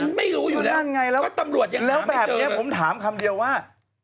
มันไม่รู้อยู่แหละก็นั่งไงแล้วแล้วแบบนี้ผมถามคำเดียวว่า